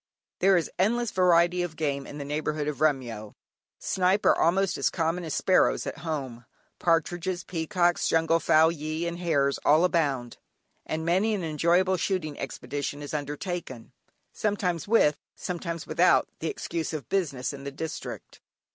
There is endless variety of game in the neighbourhood of Remyo. Snipe are almost as common as sparrows at home; partridges, peacocks, jungle fowl, gyee, and hares all abound, and many an enjoyable shooting expedition is undertaken, sometimes with, sometimes without the excuse of "business" in the district.